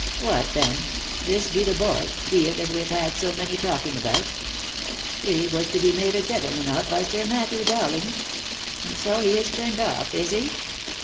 " What then! — This be the boy, be it, as we have had so many talking about ? He was to be made a gentleman of by Sir Matthew Dowling? And so he is turned off, is he?"